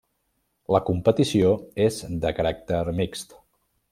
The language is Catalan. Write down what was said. La competició és de caràcter mixt.